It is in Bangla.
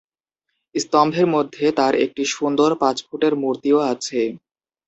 স্তম্ভের মধ্যে তার একটি সুন্দর পাঁচ ফুটের মূর্তিও আছে।